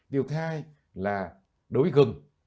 điều hai là đối gừng